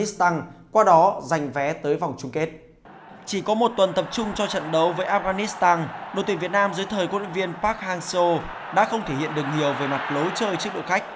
sau một tuần tập trung cho trận đấu với afghanistan đội tuyển việt nam dưới thời quân đội viên park hang seo đã không thể hiện được nhiều về mặt lối chơi trước đội khách